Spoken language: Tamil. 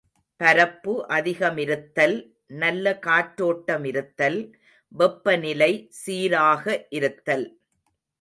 பரப்பு அதிகமிருத்தல், நல்ல காற்றோட்டமிருத்தல், வெப்பநிலை சீராக இருத்தல்.